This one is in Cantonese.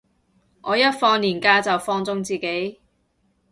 我一放連假就放縱自己